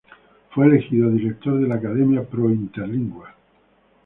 Fue elegido director de la "Academia pro Interlingua".